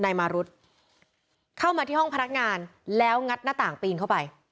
นายมารุธเข้ามาที่ห้องพนักงานแล้วงัดหน้าต่างปีนเข้าไป